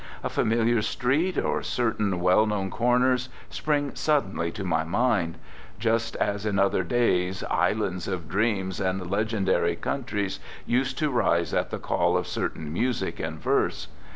A familiar street, or certain well known corners, spring suddenly to my mind — just as in other days islands of dreams and legendary countries used to rise at the call of certain music and verse.